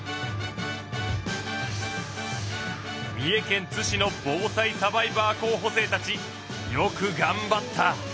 三重県津市の防災サバイバー候補生たちよくがんばった！